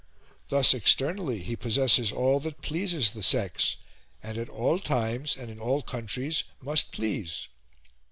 Thus, externally, he possesses all that pleases the sex, and at all times and in all countries must please."